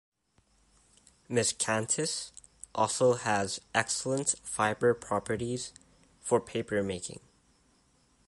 Miscanthus has also excellent fiber properties for papermaking.